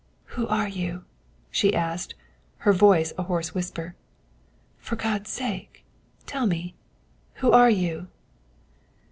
"Who are you?" she asked, her voice a hoarse whisper. "For God's sake tell me who are you?"